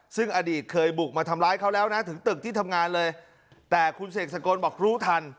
ซึ่งอดีตเคยบุกมาทำร้ายเขาแล้วนะถึงตึกที่ทำงานเลยแต่คุณเสกสกลบอกรู้ทัน